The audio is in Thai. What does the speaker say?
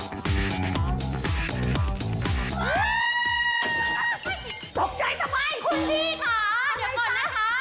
คุณพี่คะเดี๋ยวก่อนนะคะ